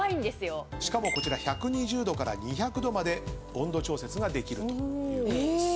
しかもこちら１２０℃から２００℃まで温度調節ができるということです。